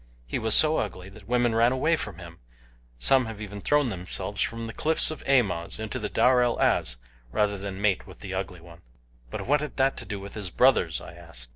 He was so ugly that women ran away from him some have even thrown themselves from the cliffs of Amoz into the Darel Az rather than mate with the Ugly One." "But what had that to do with his brothers?" I asked.